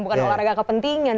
bukan olahraga kepentingan